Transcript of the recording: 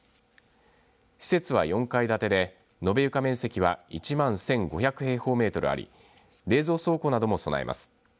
施設は４階建てで延べ床面積は１万１５００平方メートルあり冷蔵倉庫なども備えます。